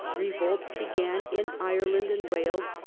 Revolts began in Ireland and Wales.